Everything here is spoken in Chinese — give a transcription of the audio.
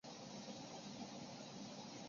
曾大量装备中国人民解放军部队。